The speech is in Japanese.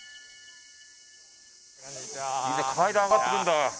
みんな階段上がってくんだ。